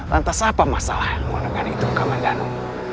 lantas apa masalahmu dengan hukuman danu